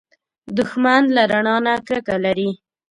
دښمن له رڼا نه کرکه لري